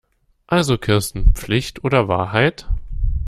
Also Kirsten, Pflicht oder Wahrheit?